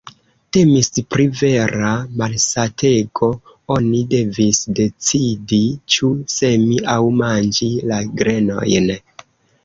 Temis pri vera malsatego: oni devis decidi ĉu semi aŭ manĝi la grenojn.